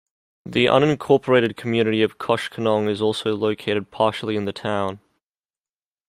The unincorporated community of Koshkonong is also located partially in the town.